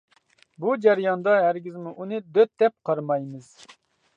بۇ جەرياندا ھەرگىزمۇ ئۇنى دۆت دەپ قارىمايمىز.